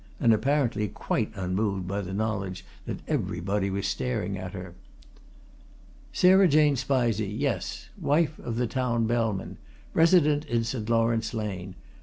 and apparently quite unmoved by the knowledge that everybody was staring at her. Sarah Jane Spizey yes. Wife of the Town Bellman. Resident in St. Laurence Lane.